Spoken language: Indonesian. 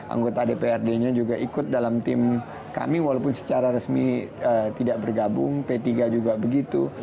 anggota dprd nya juga ikut dalam tim kami walaupun secara resmi tidak bergabung p tiga juga begitu